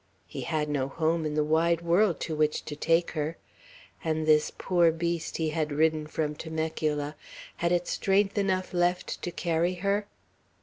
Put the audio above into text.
He had no home in the wide world to which to take her, and this poor beast he had ridden from Temecula, had it strength enough left to carry her?